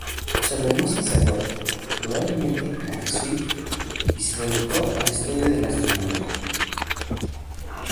Se ordenó sacerdote, probablemente como jesuita, y se dedicó al estudio de la astronomía.